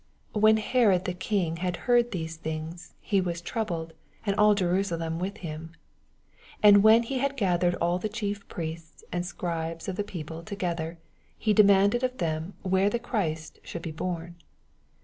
8 When Herod the king had heard tTieae tkings^ he was trouUed, and all Jerusalem with him. 4 And when he had gathered all the Chief Priests and Scribes of the people together, he demanded of them where Christ should be born.